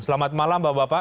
selamat malam bapak bapak